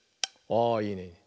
あいいね。